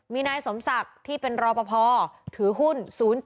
มีนายสมศักดิ์ที่เป็นรอปภถือหุ้น๐๗